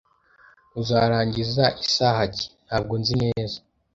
"Uzarangiza isaha ki?" "Ntabwo nzi neza."